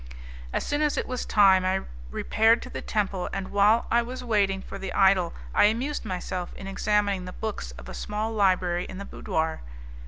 As soon as it was time, I repaired to the temple, and while I was waiting for the idol I amused myself in examining the books of a small library in the boudoir.